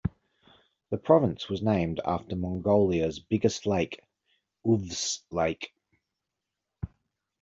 The province is named after Mongolia's biggest lake, Uvs Lake.